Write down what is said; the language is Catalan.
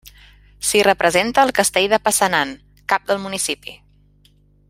S'hi representa el castell de Passanant, cap del municipi.